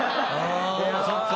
あそっか。